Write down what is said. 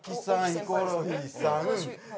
ヒコロヒーさん。